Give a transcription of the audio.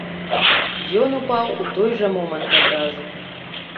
Ён упаў у той жа момант адразу.